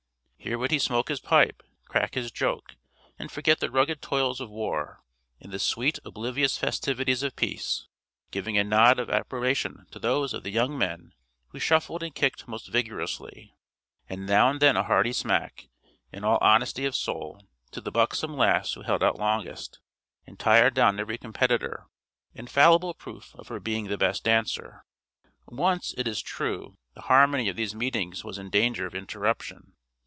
Here would he smoke his pipe, crack his joke, and forget the rugged toils of war, in the sweet oblivious festivities of peace, giving a nod of approbation to those of the young men who shuffled and kicked most vigorously; and now and then a hearty smack, in all honesty of soul, to the buxom lass who held out longest, and tired down every competitor infallible proof of her being the best dancer. Once, it is true, the harmony of these meetings was in danger of interruption.